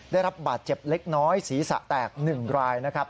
ได้รับบาดเจ็บเล็กน้อยศีรษะแตก๑รายนะครับ